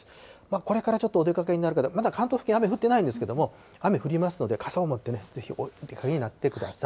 これからちょっとお出かけになる方、まだ関東付近、雨降ってないんですけれども、雨降りますので、傘を持ってね、ぜひお出かけになってください。